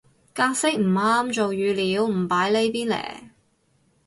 格式唔啱做語料唔擺呢邊嘞